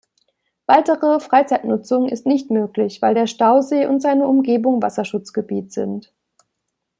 Weitere Freizeitnutzung ist nicht möglich, weil der Stausee und seine Umgebung Wasserschutzgebiet sind.